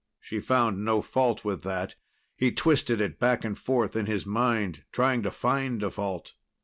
She found no fault with that. He twisted it back and forth in his mind, trying to find a fault.